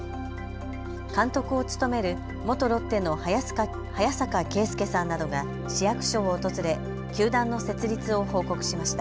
監督を務める元ロッテの早坂圭介さんなどが市役所を訪れ球団の設立を報告しました。